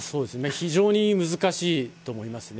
非常に難しいと思いますね。